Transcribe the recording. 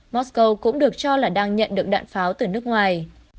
mosco cũng được cho là đang nhận được đạn pháo từ nước ngoài